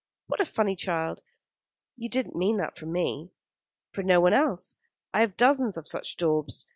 "What a funny child. You didn't mean that for me?" "For no one else. I have dozens of such daubs.